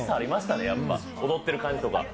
踊ってる感じとか。